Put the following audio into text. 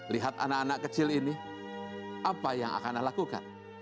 lihat anak anak kecil ini apa yang akan anda lakukan